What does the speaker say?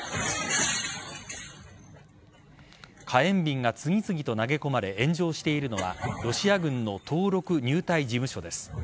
火炎瓶が次々と投げ込まれ炎上しているのはロシア軍の登録・入隊事務所です。